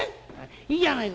『いいんじゃないか。